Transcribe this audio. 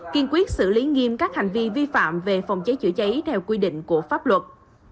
kiên quyết xử lý nghiêm các hành vi vi phạm về phòng cháy chữa cháy theo quy định của pháp luật